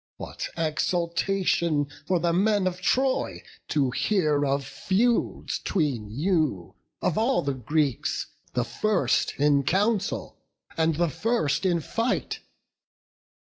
What exultation for the men of Troy, To hear of feuds 'tween you, of all the Greeks The first in council, and the first in fight!